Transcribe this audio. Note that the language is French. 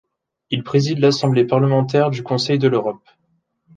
Il préside l'Assemblée parlementaire du Conseil de l'Europe.